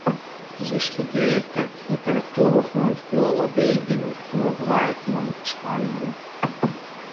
Sie studierte Literatur und Philologie in Uruguay und Spanien.